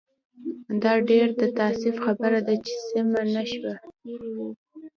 دا ډېر د تاسف خبره ده چې سمه نه شوه.